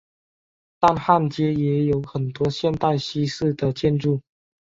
但汉街也有很多现代西式的建筑。